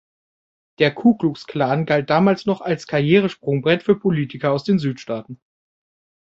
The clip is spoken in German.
Der Ku-Klux-Klan galt damals noch als ein Karrieresprungbrett für Politiker aus den Südstaaten.